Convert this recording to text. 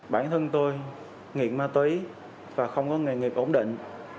bản thân tôi nghiện ma túy và không có nghề nghiệp ổn định